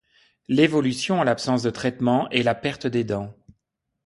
L'évolution en l'absence de traitement est la perte des dents.